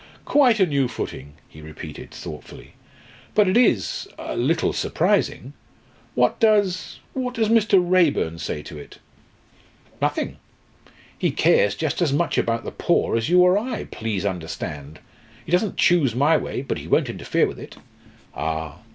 "Quite a new footing," he repeated thoughtfully. "But it is a little surprising. What does what does Mr. Raeburn say to it?" "Nothing! He cares just as much about the poor as you or I, please understand! He doesn't choose my way but he won't interfere with it." "Ah!